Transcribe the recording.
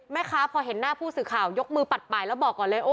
พอเห็นหน้าผู้สื่อข่าวยกมือปัดป่ายแล้วบอกก่อนเลย